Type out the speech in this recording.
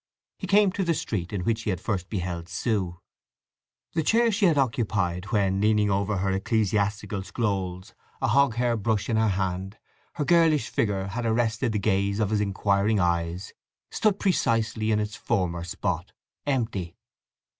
He came to the street in which he had first beheld Sue. The chair she had occupied when, leaning over her ecclesiastical scrolls, a hog hair brush in her hand, her girlish figure had arrested the gaze of his inquiring eyes, stood precisely in its former spot, empty.